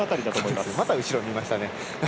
また後ろ、見ましたね。